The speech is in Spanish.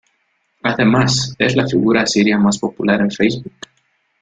Además, es la figura asiria más popular en Facebook.